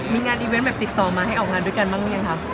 มีงานอีเวนต์แบบติดต่อมาให้ออกงานด้วยกันบ้างหรือยังครับ